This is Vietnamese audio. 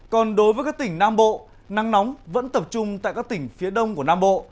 còn đối với các tỉnh nam bộ nắng nóng vẫn tập trung tại các tỉnh phía đông của nam bộ